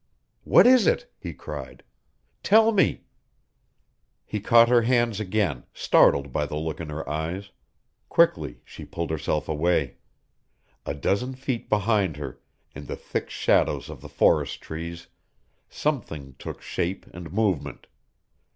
"What is it?" he cried. "Tell me " He caught her hands again, startled by the look in her eyes. Quickly she pulled herself away. A dozen feet behind her, in the thick shadows of the forest trees, something took shape and movement.